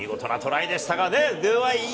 見事なトライでした。